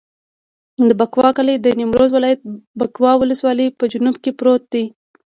د بکوا کلی د نیمروز ولایت، بکوا ولسوالي په جنوب کې پروت دی.